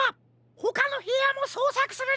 ほかのへやもそうさくするんじゃ！